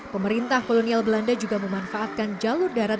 pemerintah kolonial belanda juga memanfaatkan jalur darat